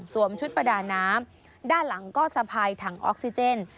ชุดประดาน้ำด้านหลังก็สะพายถังออกซิเจน